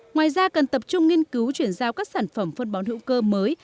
ngoài ra cần tập trung nghiên cứu chuyển giao các sản phẩm phân bón hữu cơ mới